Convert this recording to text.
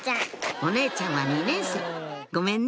お姉ちゃんは２年生ごめんね